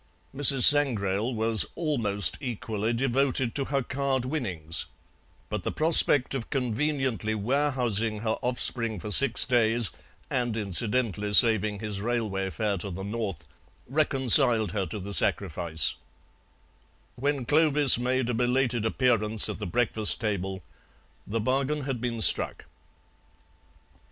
Mrs. Sangrail was almost equally devoted to her card winnings, but the prospect of conveniently warehousing her offspring for six days, and incidentally saving his railway fare to the north, reconciled her to the sacrifice; when Clovis made a belated appearance at the breakfast table the bargain had been struck.